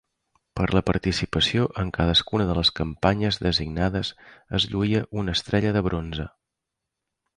Per la participació en cadascuna de les campanyes designades es lluïa una estrella de bronze.